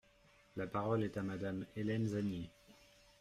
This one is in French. La parole est à Madame Hélène Zannier.